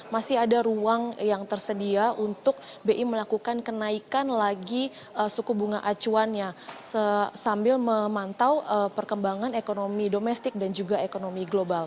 masih ada ruang yang tersedia untuk bi melakukan kenaikan lagi suku bunga acuannya sambil memantau perkembangan ekonomi domestik dan juga ekonomi global